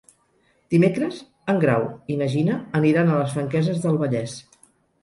Dimecres en Grau i na Gina aniran a les Franqueses del Vallès.